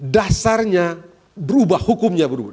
dasarnya berubah hukumnya berubah